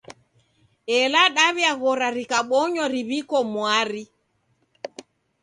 Ela dawi'aghora rikabonywa riw'iko mwari.